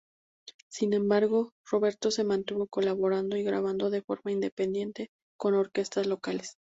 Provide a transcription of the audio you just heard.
Sin embargo, Roberto se mantuvo colaborando y grabando de forma independiente con orquestas locales.